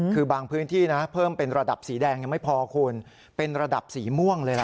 คือบางพื้นที่นะเพิ่มเป็นระดับสีแดงยังไม่พอคุณเป็นระดับสีม่วงเลยนะ